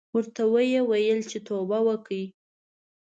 ورته ویې ویل چې توبه وکړې.